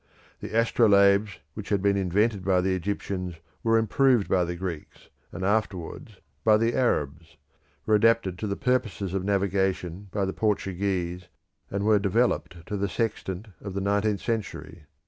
The astrolabes which had been invented by the Egyptians were improved by the Greeks and afterwards by the Arabs, were adapted to purposes of navigation by the Portuguese, and were developed to the sextant of the nineteenth century.